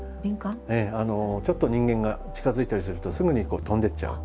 ちょっと人間が近づいたりするとすぐに飛んでっちゃう。